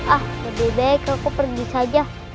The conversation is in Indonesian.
ah lebih baik aku pergi saja